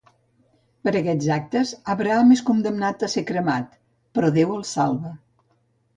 Per a aquests actes, Abraham és condemnat a ser cremat, però Déu el salva.